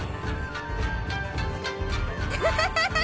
アハハハ！